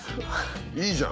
いいじゃん。